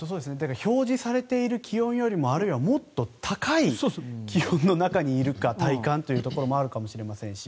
表示されている気温よりももっと高い気温の中にいるか体感というところもあるかもしれませんし